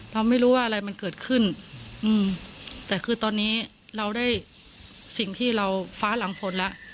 เราไม่รู้ว่าอะไรมันเกิดขึ้นอืมแต่คือตอนนี้เราได้สิ่งที่เราฟ้าหลังฝนแล้ว